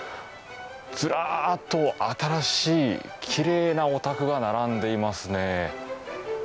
ずらっと、新しいきれいなお宅が並んでいますね。